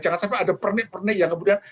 jangan sampai ada pernik pernik yang kemudian